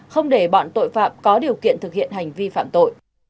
sau đó thì bị bắt giữ